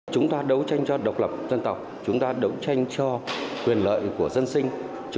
chiến khai mặt trận ngoại giao trong giai đoạn một nghìn chín trăm tám mươi sáu một nghìn chín trăm bảy mươi năm các tham luận đều nhấn mạnh